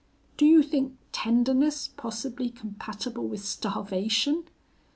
Do you think tenderness possibly compatible with starvation?